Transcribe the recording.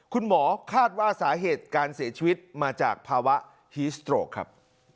คุณหมอคาดว่าสาเหตุการเสียชีวิตมาจากภาวะฮีสโตรกครับ